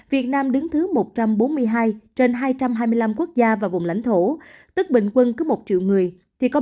việt nam đứng thứ một trăm bốn mươi hai trên hai trăm hai mươi năm quốc gia và vùng lãnh thổ tức bình quân cứ một triệu người có ba mươi một năm trăm tám mươi tám ca nhiễm